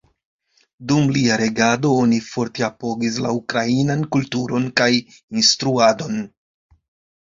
Dum lia regado, oni forte apogis la ukrainan kulturon kaj instruadon.